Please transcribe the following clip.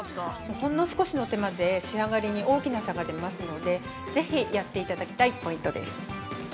ほんの少しの手間で仕上がりに大きな差が出ますのでぜひやっていただきたいポイントです。